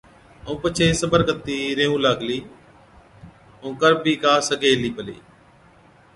ائُون پڇي صبر ڪتِي ريهُون لاگلِي، ائُون ڪر بِي ڪا سِگھي هِلِي پلِي۔